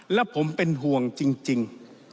และผมเป็นห่วงจริง